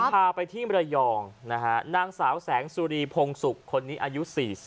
พาไปที่มรยองนะฮะนางสาวแสงสุรีพงศุกร์คนนี้อายุ๔๐